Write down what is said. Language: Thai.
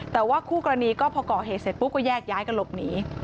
แต่ว่าคู่กรณีก็พอก่อเหตุเสร็จปุ๊บก็แยกย้ายกันหลบหนี